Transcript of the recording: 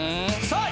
さあ